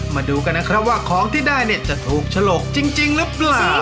มาดูกันนะครับว่าของที่ได้เนี่ยจะถูกฉลกจริงหรือเปล่า